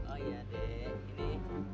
oh iya dek ini